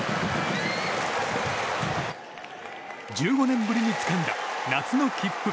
１５年ぶりにつかんだ夏の切符。